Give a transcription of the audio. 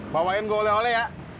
bawain gue oleh oleh ya